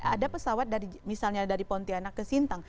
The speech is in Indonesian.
ada pesawat dari misalnya dari pontianak ke sintang